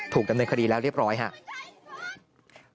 ดำเนินคดีแล้วเรียบร้อยครับ